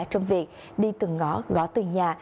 trong việc đi từng ngõ gõ từ nhà